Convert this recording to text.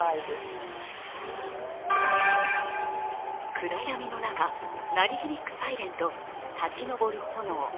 暗闇の中、鳴り響くサイレンと立ち上る炎。